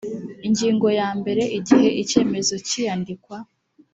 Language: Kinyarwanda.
ingingo ya mbere igihe icyemezo cy iyandikwa